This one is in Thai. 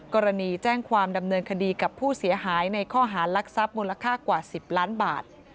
กรณีแจ้งความดำเนินคดีกับผู้เสียหายในข้อหารักทรัพย์มูลค่ากว่า๑๐ล้านบาท